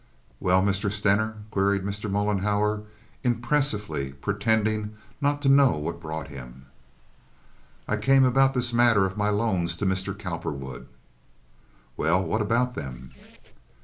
"Well, Mr. Stener?" queried Mr. Mollenhauer, impressively, pretending not to know what brought him. "I came about this matter of my loans to Mr. Cowperwood." "Well, what about them?"